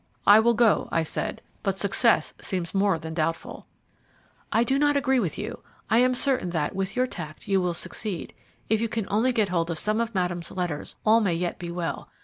"I will go," I said; "but success seems more than doubtful." "I do not agree with you. I am certain that, with your tact, you will succeed. If you can only get hold of some of Madame's letters all may yet be well.